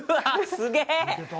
すげえ！